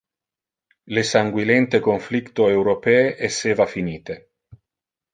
Le sanguilente conflicto europee esseva finite.